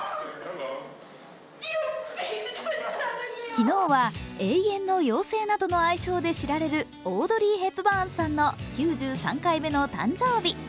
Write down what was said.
昨日は永遠の妖精などの愛称で知られるオードリー・ヘプバーンさんの９３回目の誕生日。